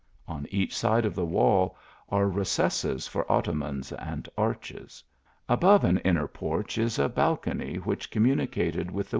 On each slide of the wall are recesses for ottomans and arches. Above an inner porch, is a balcony which communicated with the.